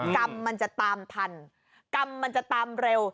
กรรมมันจะตามทันกรรมมันจะตามเร็ว